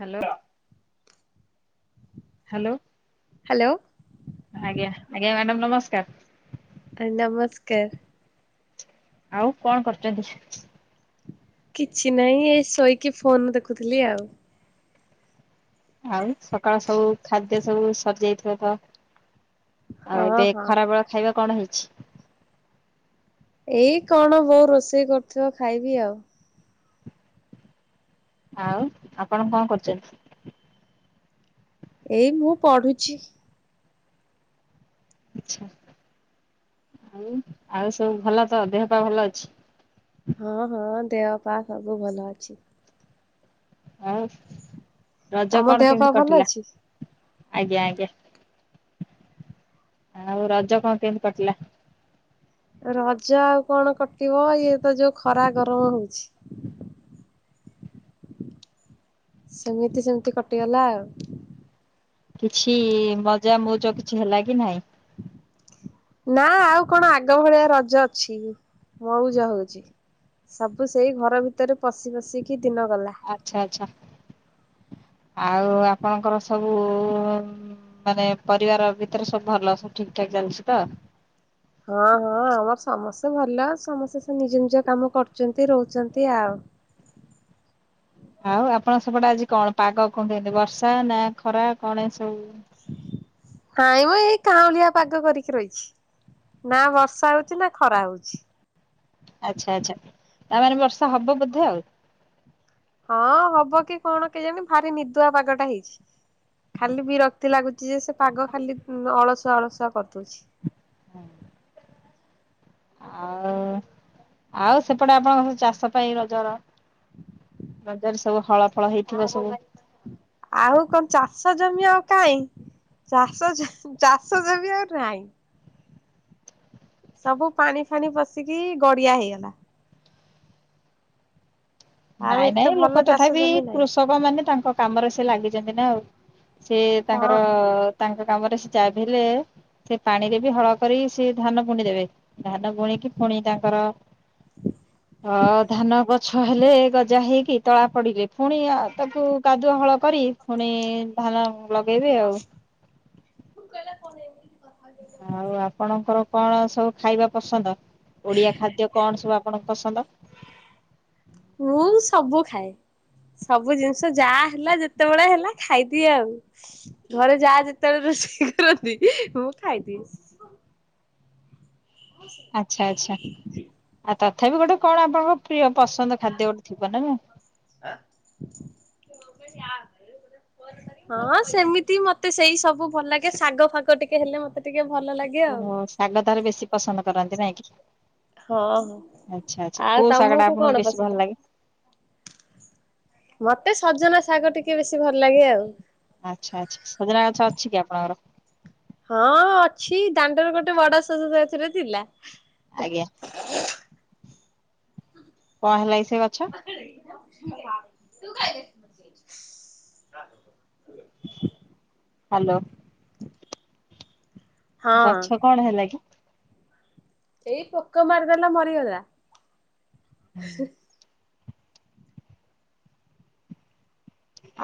Hello hello hello ଆଜ୍ଞା ଆଜ୍ଞା madam. ନମସ୍କାର । ନମସ୍କାର । ଆଉ କଣ କରୁଚନ୍ତି? କିଛି ନାହିଁ । ଏ, ଶୋଇକି ଫୋନ ଦେଖୁଥିଲି ଆଉ। ଆଉ, ସକାଳ ସବୁ ଖାଦ୍ୟ ସବୁ ସରିଯାଇଥିବ, ତ ଆଉ, ହଁ ଏବେ ହଁ ଖରା ବେଳ ଖାଇବା କଣ ହେଇଛି? ଏଇ, କଣ? ବୋଉ ରୋଷେଇ କରୁଥିବ ଖାଇବି ଆଉ। ଆଉ, ଆପଣ କଣ କରୁଛନ୍ତି? ଏଇ, ମୁଁ ପଢୁଛି । ଛି, ଆଉ? ଆଉ ସବୁ ଭଲ ତ? ଦେହ ପା ଭଲ ଅଛି। ହଁ, ହଁ । ଦେହ ପା ସବୁ ଭଲ ଅଛି। ହଁ । ତମ ଦେହ ପା ଭଲ ଅଛି? ଆଜ୍ଞା, ଆଜ୍ଞା । ଆଉ, ରଜ କଣ କେମିତି କଟିଲା। ରଜ ଆଉ କଣ କଟିବ? ଇଏ ତ ଯୋଉ ଖରା, ଗରମ ହଉଛି। ସେମିତି, ସେମିତି କଟିଗଲା ଆଉ। କିଛି ମଜା ମଉଜ କିଛି ହେଲା କି ନାଇଁ। ନା, ଆଉ କଣ? ଆଗ ଭଳିଆ ରଜ ଅଛି? ମଉଜ ହଉଛି? ସବୁ ସେଇ ଘର ଭିତରେ ପଶି ପଶିକି ଦିନ ଗଲା। ଆଚ୍ଛା, ଆଚ୍ଛା । ଆଉ, ଆପଣଙ୍କର ସବୁ, ଉ ମାନେ, ପରିବାର ଭିତରେ ସବୁ ଭଲ? ସବୁ ଠିକ୍ ଠାକ୍ ଚାଲିଛି ତ? ହଁ, ହଁ। ଆମର ସମସ୍ତେ ଭଲ । ସମସ୍ତେ ସେ ନିଜ ନିଜ କାମ କରୁଛନ୍ତି, ରହୁଛନ୍ତି ଆଉ। ଆଉ, ଆପଣ ସେପଟେ ଆଜି କଣ ପାଗ? କଣ କେମିତି? ବର୍ଷା ନା ଖରା, କଣ? ସବୁ ହଁାଇ [unintelligible] ହଁ, ଏଇ କାଁଉଳିଆ ପାଗ କରିକି ରହିଛି । ନା ବର୍ଷା ହଉଛି, ନା ଖରା ହଉଛି। ଆଚ୍ଛା, ଆଚ୍ଛା । ତା ମାନେ ବର୍ଷା ହେବ ବୋଧେ ଆଉ । ହଁ, ହବ କି କଣ, କେଜାଣି । ଭାରି ନିଦୁଆ ପାଗ ଟା ହେଇଛି। ଖାଲି ବିରକ୍ତି ଲାଗୁଚି, ଯେ ସେ ପାଗ ଖାଲି ଅଳସୁ ଅଳସୁଆ କରିଦଉଛି । ହଁ [inaudible] ଆଉ, ଆଉ ସେପଟେ ଆପଣଙ୍କ ସବୁ ଚାଷ ପାଇଁ, ରଜର ରଜରେ ସବୁ ହଳ ଫଳ ହେଇଥିବ ସବୁ। ଆଉ କଣ? ଚାଷ ଜମି ଆଉ କାଇଁ? ଚାଷ, ଚାଷ ଜମି ଆଉ ନାହିଁ। ସବୁ ପାଣି ଫାଣି ପସିକି ଗଡିଆ ହେଇଗଲା। ଆଉ ନାଇଁ, ଏତେ ନାଇଁ । ଭଲ ଲୋକ, ଚାଷ ତଥାପି ଜମି ନାହିଁ। କୃଷକ ମାନେ, ତାଙ୍କ କାମରେ ସେ ଲାଗିଛନ୍ତି ନା ଆଉ। ସେ ହଁ ତାଙ୍କର, ହଁ ତାଙ୍କ ତାପରେ ସେ ଚାଭିହେଲେ ସେ ପାଣିରେ ବି ହଳ କରି ସେ ଧାନ ବୁଣିଦେବେ। ଧାନ ବୁଣିକି ପୁଣି ତାଙ୍କର ଅ ଧାନ ଗଛ ହେଲେ ଗଜା ହେଇକି ତଳା ପଡିଲେ। ଫୁଣି ଆ ତାକୁ କାଦୁଆ ହଳ କରି ଫୁଣି ଧାନ ଲଗେଇବେ ଆଉ। ଆଉ ଆପଣଙ୍କର କଣ ସବୁ ଖାଇବା ପସନ୍ଦ? ଓଡିଆ ଖାଦ୍ୟ କଣ ସବୁ ଆପଣଙ୍କ ପସନ୍ଦ? ମୁଁ ସବୁ ଖାଏ ସବୁ ଜିନିଷ ଯାହା ହେଲା ଯେତେବେଳେ ହେଲା ଖାଇଦିଏ ଆଉ। ଘରେ ଯାହା ଯେତେବେଳେ ରୋଷେଇ କରନ୍ତି ମୁଁ ଖାଇଦିଏ। ଆଚ୍ଛା ଆଚ୍ଛା। ତଥାପି ଗୋଟେ କଣ ଆପଣଙ୍କ ପ୍ରିୟ ପସନ୍ଦ ଖାଦ୍ୟ ଗୋଟେ ଥିବ ନା ନାଇଁ। ହଁ ସେମିତି ମତେ ସେଇ ସବୁ ଭଲ ଲାଗେ। ଶାଗ ଫାଗ ଟିକେ ହେଲେ ମତେ ଟିକେ ଭଲ ଲାଗେ ଆଉ। ଓହୋ ଶାଗ ତାର ବେଶୀ ପସନ୍ଦ। କରନ୍ତି ନାଇଁ କି। ହଁ ହଁ ଆଚ୍ଛା ଆଚ୍ଛା ଆଉ କୋଉ ଶାଗ ଟା ତମକୁ ଆପଣଙ୍କୁ କଣ ବେଶୀ ଭଲ ପସନ୍ଦ? ଲାଗେ? ମତେ ସଜନା ଶାଗ ଟିକେ ବେଶୀ ଭଲ ଲାଗେ ଆଉ। ଆଚ୍ଛା ଆଚ୍ଛା ସଜନା ଗଛ ଅଛି କି ଆପଣଙ୍କର? ହଁ ଅଛି ଦାଣ୍ଡରେ ଗୋଟେ ବଡ ସଜନା ଗଛ ଟେ ଥିଲା। ଆଜ୍ଞା। କଣ ହେଲା କି ସେ ଗଛ? [inaudible] ତୁ ଖାଇଦେ। ହ୍ୟାଲୋ। ହଁ। ଗଛ କଣ ହେଲା କି? ଏଇ ପୋକ ମାରିଦେଲା ମରିଗଲା। [inaudible]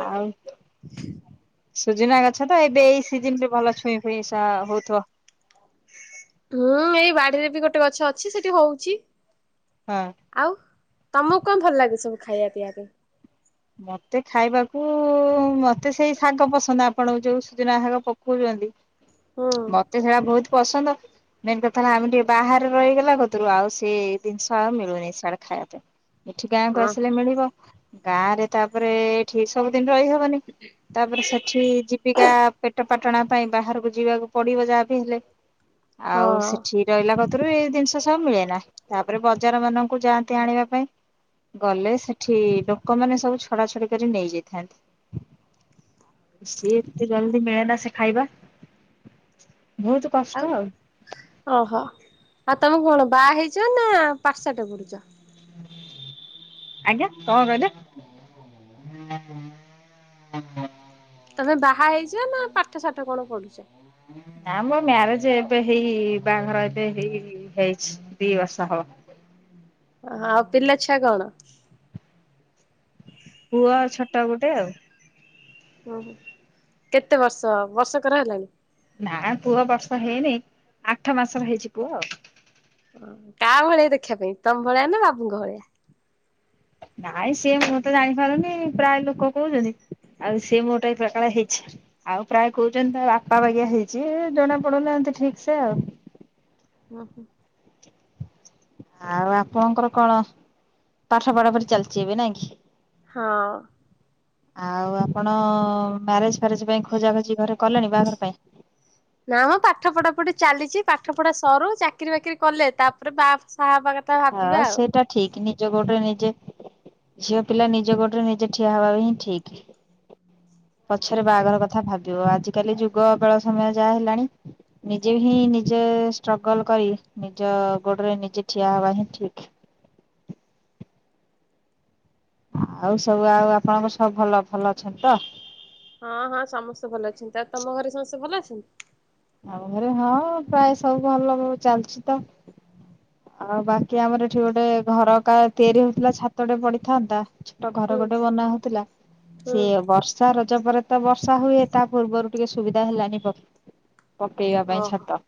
ଆଉ, [inaudible] ସୁଜୁନା ଗ ଛତ ଏବେ ଏଇ ସିଜନ୍ ରେ ଭଲ ଛୁଇଁ ହୁଏ ସ ତା ହୋଉଥିବ। ହଁ ଏଇ ବାଡିରେ ବି ଗୋଟେ ଗଛ ଅଛି ସେଠି ହଉଛି। ହଁ। ଆଉ ତମକୁ କଣ ଭଲ ଲାଗେ ସବୁ? ଖାଇବା ପିଆ ପାଇଁ। ମତେ ଖାଇବାକୁ ମତେ ସେଇ ଶାଗ ପସନ୍ଦ ଆପଣ ଯୋଉ ସୁଜୁନା ଶାଗ ପକଉଛନ୍ତି ହୁଁ। ମତେ ସେଡା ବହୁତ ପସନ୍ଦ ମେନ୍ କଥା ହେଲା ଆମେ ଟିକେ ବାହାରେ ରହିଗଲା କତରୁ ଆଉ ସେ ଜିନିଷ ଆଉ ମିଳୁନି ସିଆଡେ ଖାଇବା ପାଇଁ ଏଠି ଗାଁକୁ ଓହୋ ଆସିଲେ ମିଳିବ। ଗାରେ ତାପରେ ଏ ସେଠି ସବୁଦିନ ରହିହବନି ତାପରେ ସେଠି ଜୀବିକା ପେଟ ପାଟଣା ପାଇଁ ବାହାରକୁ ଯିବାକୁ ପଡିବ ଯାହା ବି ହେଲେ। ଆଉ ହଁ ସେଠି ରହିଲା କତିରୁ ଏ ସବୁ ମିଳେ ନା ତା ତାପରେ ବଜାର ମାନଙ୍କୁ ଯାଆନ୍ତି ଆଣିବା ପାଇଁ ଗଲେ ସେଠି ଲୋ କମାନେ ସହୁ ଛୁ ଛଡା ଛଡ଼ି କରି ନେଇଯାଇଥାନ୍ତି। ସିଏ ଏତେ ଜଲଦି ମେନା ସେ ଖାଇବା। ବହୁତ କଷ୍ଟ ଆଉ ଓହୋ ଆ ତମେ କଣ ବାହା ହେଇଛ ନା ପାଠଶାଠ ପଢୁଛ। ଆଜ୍ଞା କଣ କହିଲେ? ତମେ ବାହା ହେଇଛ ନା ପାଠ ସାଠ କଣ ପଢୁଛ? ନାମ ମ୍ୟାରେଜ୍ ଏବେ ହେଇ ବାହାଘର ଏବେ ହେଇ ହେଇଛି ଦି ବର୍ଷ ହବ। ହ ଆଉ ପିଲା ଛୁଆ କଣ? ପୁଅ ଆଉ ଛୋଟ ଗୋଟେ ଆଉ। ଓହୋ କେତେ ବର୍ଷ ବର୍ଷକର ହେଲାଣି? ନା ପୁଅ ବର୍ଷ ହେଇନି ଆଠ ମାସର ହେଇଛି ପୁଅ ଆଉ। ହ କାହା ଭଳିଆ ଦେଖିବା ପାଇଁ ତମ ଭଳିଆ ନା ବାବୁଙ୍କ ଭଳିଆ। ନାଇଁ ସିଏ ମୁଁ ତ ଜାଣିପାରୁନି ପ୍ରାୟ ଲୋକ କହୁଛନ୍ତି ଆଉ ସିଏ ମୋ ପରିକା ହେଇଛି। ଆଉ ପ୍ରାୟ କହୁଛନ୍ତି ତା ବାପା ବାଗିଆ ହେଇଛି ଜଣା ପଡୁନାହାନ୍ତି ଠିକ୍ ସେ ଆଉ । ଓହୋ। ଆଉ ଆପଣଙ୍କର କଣ ପାଠ । ହଁ। ଆଉ ଆପଣ ମ୍ୟାରେଜ୍ ଫ୍ୟାରେଜ୍ ପାଇଁ ଖୋଜା ଖୋଜି ଘରେ କଲେଣି ବାହାଘର ପାଇଁ। ନା ମ ପାଠ ପଢା ପଢି ଚାଲିଛି ପାଠ ପଢା ସରୁ ଚାକିରି ବାକିରି କଲେ ତାପରେ ବା। ବାହା ହବା କଥା ହଁ ଭାବିବା ଆଉ। ସେଇଟା ଠିକ ନିଜ ଗୋଡ଼ରେ ନିଜେ ଝିଅ ପିଲା ନିଜ ଗୋଡ଼ରେ ନିଜେ ଠିଆ ହେବା ହିଁ ଠିକ୍। ପଛରେ ବାହାଘର କଥା ଭାବିବ । ଆଜିକାଲି ଯୁଗ ବେଳ ସମୟ ଯାହା ହେଲାଣି। ନିଜେ ହିଁ ନିଜ ଷ୍ଟ୍ରଗଲ କରି ନିଜ ଗୋଡରେ ନିଜେ ଠିଆ ହବା ହିଁ ଠିକ୍। ଆଉ ସବୁ ଆଉ ଆପଣଙ୍କର ସବୁ ଭଲ ଭଲ ଅଛନ୍ତି ତ? ହଁ ହଁ ସମସ୍ତେ ଭଲ ଅଛନ୍ତି ତା ତମ ଘରେ ସମସ୍ତେ ଭଲ ଅଛନ୍ତି। ଆଉ ଘରେ ହଁ ପ୍ରାୟ ସବୁ ଭଲ ଚାଲିଛି ତ। ଆଉ ବାକି ଆମର ଏଠି ଗୋଟେ ଘରକା ତିଆରି ହେଉଥିଲା ଛାତଟେ ପଡିଥାନ୍ତା। ତ ଘର ହୁଁ ଗୋଟେ ବନା ହଉଥିଲା ହୁଁ ସିଏ ବର୍ଷାର ରଜ ପରେ ତ ବର୍ଷା ହୁଏ ତା ପୂର୍ବରୁ ଟିକେ ସୁବିଧା ହେଲାନି। ପକେଇବା ପାଇଁ ଓହୋ। ଛାତ।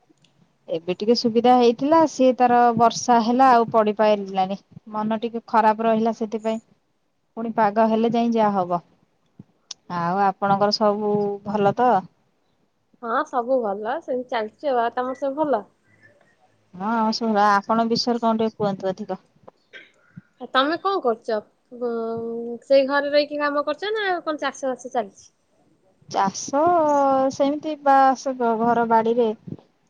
ଏବେ ଟିକେ ସୁବିଧା ହେଇଥିଲା ସିଏ ତାର ବର୍ଷା ହେଲା ଆଉ ପଡି ପାରିଲାନି ମନ ଟିକେ ଖରାପ ରହିଲା ସେଥିପାଇଁ ପୁଣି ପାଗ ହେଲେ ଯାଇ ଯାହା ହବ। ଆଉ ଆପଣଙ୍କର ସବୁ ଭଲ ତ? ହଁ ସବୁ ଭଲ ସେମିତି ଚାଲିଛି ଆଉ। ତମର ସବୁ ଭଲ? ହଁ [unintelligible] ଆପଣ ବିଷୟରେ କଣ ଟିକେ କୁହନ୍ତୁ ଅଧିକ? ଆ ତମେ କଣ କରୁଛ ଉ ସେଇ ଘରେ ରହିକି କାମ କରୁଛ ନା କଣ ଚାଷ ବାସ ଚାଲିଛି। ଚାଷ ସେମିତି ବାସ୍ ଘର ବାଡିରେ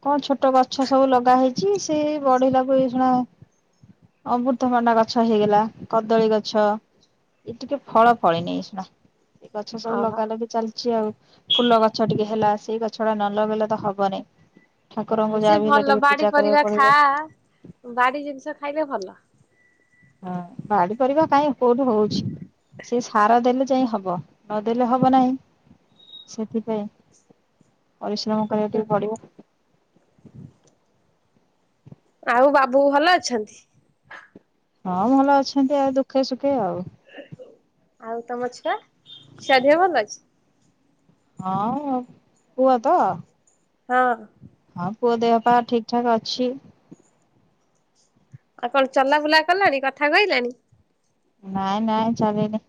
କଣ ଛୋ ଟ ଗଛ ସବୁ ଲଗା ହେଇ ଚି ସେ ବଢିଲାକୁ ଏ ଖେନା ଅମୃତମାଣ୍ଡ ଗଛ ହେଇଗଲା କଦଳୀ ଗଛ ଏ ଟିକେ ଫଳ ଫଳିନି ସେଡା ଏଇ ଗଛ ସବୁ ଓହୋ ଲଗାଲଗି ଚାଲି ଚି ଆଉ ଫୁଲ ଗଛ ଟିକେ ହେଲା ସେଇ ଗଛଟା ନ ଲଗେଇଲେ ତ ହବନି। ଠାକୁରଙ୍କୁ ଯାହା ସେ ବି ହେଲେ ଭଲ ଟିକେ ପୂଜା ବାଡି କରିବାକୁ ପରିବା ପଡିବ ଖା ବାଡି ଜିନିଷ ଖାଇଲେ ଭଲ। ହଁ ବାଡି ପରିବା କାଇଁ କୋଉଠି ହଉଛି ସେ ସାର ଦେଲେ ଯାଇ ହବ ନଦେଲେ ହବ ନାହିଁ ସେଥିପାଇଁ ପରିଶ୍ରମ କରିବା କୁ ଟିକେ ପଡିବ। ଆଉ ବାବୁ ଭଲ ଅଛନ୍ତି? ହଁ ଭଲ ଅଛନ୍ତି ଆଉ ଦୁ ଖେ ସୁୁଖେ ଆଉ ଆଉ ତମ ଛୁଆ ଛୁଆ ଦେହ ଭଲ ଅଛି? ହଁ ପୁଅ ତ ହଁ। ହଁ ପୁଅ ଦେହ ପା ଠିକ ଠାକ ଅଛି। ଆଉ କଣ ଚଲାବୁଲା କଲାଣି କଥା କହିଲାଣି। ନାଇଁ ନାଇଁ ଚାଲିନି।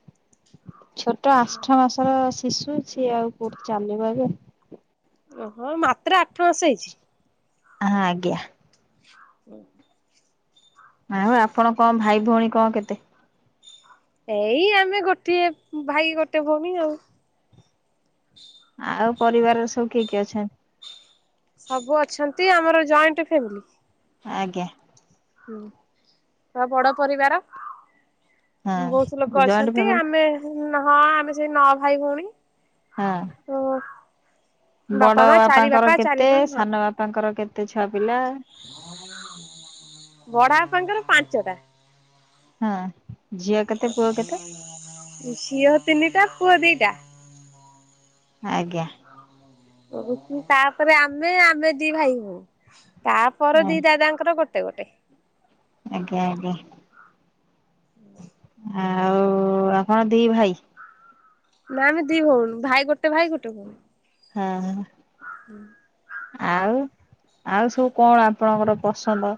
ଛୋଟ ଆଠ ମାସର ଦିଶୁଛି ଆଉ କୋଉଠି ଚାଲିବ ଏବେ। ଓହୋ ମାତ୍ର ଆଠ ମାସ ହେଇଛି। ହଁ ଆଜ୍ଞା। [unintelligible] ଆଉ ଆପଣ କଣ ଭାଇ ଭଉଣୀ କଣ କେତେ? ଏଇ ଆମେ ଗୋଟିଏ ଭାଇ ଗୋଟେ ଭଉଣୀ ଆଉ। ଆଉ ପରିବାର ସବୁ କିଏ କିଏ ଅଛନ୍ତି? ସବୁ ଅଛନ୍ତି ଆମର ଜଏଣ୍ଟ ଫ୍ୟାମିଲି। ଆଜ୍ଞା। ହୁଁ ତ ବଡ ପରିବାର। ବହୁତ ହଁ ଲୋକ ଜଏଣ୍ଟ ଅଛନ୍ତି ଫ୍ୟାମିଲି ଆମେ ହଁ ଆମେ ସେଇ ନଅ ଭାଇ ଭଉଣୀ। ହଁ। ହଁ ବାପା ବଡ ମା ଚାରି ବାପାଙ୍କର ବାପା କେତେ ସାନ ବାପାଙ୍କର କେ ତ ଛା ବଡା ସାଙ୍ଗରେ ପାଞ୍ଚଟା ହଁ। ଝିଅ କେତେ ପୁଅ କେତେ ଝିଅ ତିନିଟା ପୁଅ ଦିଟା ଆଜ୍ଞା। [unintelligible] ତାପରେ ଆମେ ଆମେ ଦି ଭାଇ ଭଉ ତାପର ଦି ଦାଦାଙ୍କର ଗୋଟ ଟେ ଗୋଟେ ଆଜ୍ଞା ଆଜ୍ଞା। ମୋ ଆଉ ଆପଣ ଦି ଭାଇ ନା ଆମେ ଦି ଭଉଣୀ ଭାଇ ଗୋଟେ ଭାଇ ଗୋଟେ ଭଉଣୀ। ହଁ, ହଁ। ଆଉ। ଆଉ ସବୁ କଣ ଆପଣଙ୍କର ପସନ୍ଦ?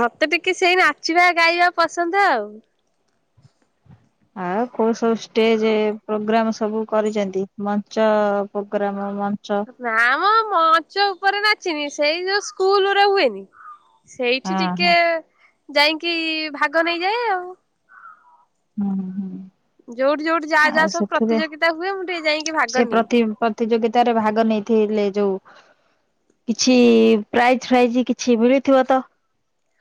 ମୋତେ ଟିକେ ସେଇ ନାଚିବା ଗାଇବା ପସନ୍ଦ ଆଉ। ଆଉ କୋଉ ସବୁ ଷ୍ଟେଜେ ପ୍ରୋଗ୍ରାମ୍ ସବୁ କରିଚନ୍ତି? ମଞ୍ଚ ପ୍ରୋଗ୍ରାମ ମଞ୍ଚ ନାମ ମଞ୍ଚ ଉପରେ ନା ଚିନି ସେଇ ଯୋଉ ସ୍କୁଲ୍ ରେ ହୁଏନି ସେଇଠି ହଁ ଟିକେ ହଁ ଯାଇକି ଭାଗ ନେଇଯାଏ, ଆଉ ହୁଁ, ଯୋଉଠି ଯୋଉଠି ଯାହା ହୁଁ। ଯାହା ଆଉ ସବୁ ସେଥିରେ ପ୍ରତିଯୋଗିତା ହୁଏ ମୁଁ ଟିକେ ଯାଇକି ଭାଗ ସେ ନିଏ। ପ୍ରତି ପ୍ରତିଯୋଗିତାରେ ଭାଗ ନେଇଥିଲେ। ଯୋଉ କିଛି ପ୍ରାଇଜ୍ ଫ୍ରାଇଜ କିଛି ମିଳୁଥିବ ତ?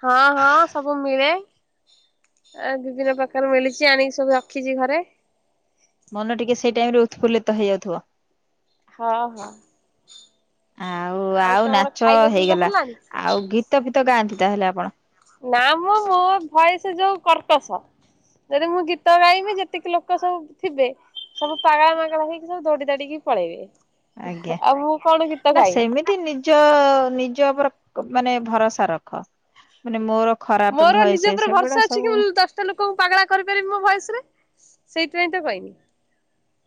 ହଁ ହଁ ସବୁ ମିଳେ ଏ ବିଭିନ୍ନ ପ୍ରକାର ମିଳିଚି, ଆଣିକି ସବୁ ରଖିଚି ଘରେ। ମନ ଟିକେ ସେଇ ଟାଇମ୍ ରେ ଉତଫୁଲ୍ଲ ତ ହେଇ ଯାଉଥିବ। ହଁ ହଁ ଆଉ ଆଉ ତମର ନାଚ ଖାଇବା ପିଇବା ହେଇଗଲା, ହେଲାଣି? ଆଉ ଗୀତ ଫିତ ଗାଆନ୍ତି? ତାହେଲେ ଆପଣ ନା ମ ମୋ ଭଏସ୍ ଯୋଉ କର୍କସ, ଯଦି ମୁଁ ଗୀତ ଗାଇବି ଯେତିକି ଲୋକ ସବୁ ଥିବେ ସବୁ ପାଗଳା ମାଗଳା ହେଇକି ସବୁ ଦୋଡି ଦାଡିକି ପଳେଇବେ। ଆଜ୍ଞା ଆଉ ମୁଁ କଣ ଗୀତ ନା ଗାଇବି। ସେମିତି ନିଜ ନି ଜ ଉପର କ-ମାନେ ଭରସା ରଖ। ମାନେ ମୋର ଖରାପ ମୋର ନିଜ ଭଏସ ଉପରେ ସେଗୁଡା ଭରସା ଅଛି କି ସବୁ ମୁଁ ଦଶଟା ଲୋକଙ୍କୁ ପାଗଳା କରିପାରିବି ମୋ ଭଏସ୍ ରେ। ସେଇଥିପାଇଁ ତ କଇନି।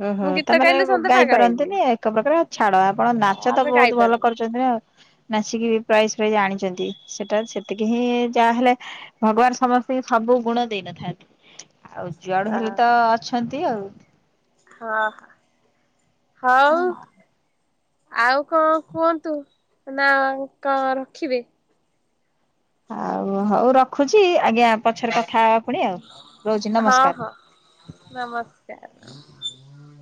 ଅଁ, ହଁ ତାମାନେ ଗାଇ ହେଇଯିବେ ପାରନ୍ତିନି ଏକ ପ୍ରକାର ଆଉ ଛାଡ ଆପଣ ହଁ ନାଚ ତ ଆମେ ବହୁତ ଭଲ ଗାଇପାରୁନୁ। କରିଛନ୍ତି ନା। ନାଚିକି ବି ପ୍ରାଇଜ୍ ଫ୍ରାଇଜ ଆଣିଚନ୍ତି, ସେଟା ସେତିକି ହିଁ ଯାହାହେଲେ ଭଗବାନ ସମସ୍ତିଙ୍କି ସବୁ ଗୁଣ ଦେଇନଥାନ୍ତି। ଆଉ ଯୁଆଡୁ ହଁ ହେଲେ ତ ଅଛି। ଅଛନ୍ତି ଆଉ। ହଁ ହଁ। ହଉ। ଆଉ କଣ କୁହନ୍ତୁ ନା କଣ ରଖିବେ? ଆଉ ହଉ ରଖୁଛି ଆଜ୍ଞା ପଛରେ କଥା ପୁଣି ଆଉ ରହୁଛି ହଁ ନମସ୍କାର। ହଁ ନମସ୍କାର। [unintelligible]